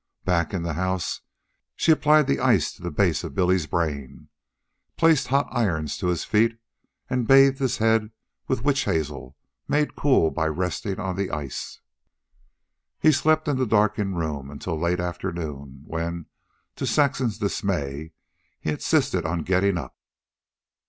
Back in the house, she applied the ice to the base of Billy's brain, placed hot irons to his feet, and bathed his head with witch hazel made cold by resting on the ice. He slept in the darkened room until late afternoon, when, to Saxon's dismay, he insisted on getting up.